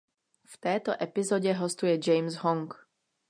V této epizodě hostuje James Hong.